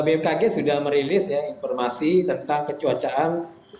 bmkg sudah merilis ya informasi tentang kecuacaan